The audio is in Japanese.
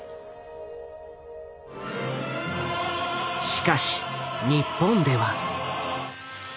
しかし日本では。